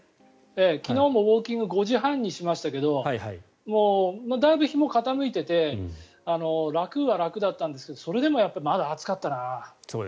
昨日もウォーキング５時半にしましたがだいぶ日も傾いていて楽は楽だったんですけどそれでもまだ暑かったな。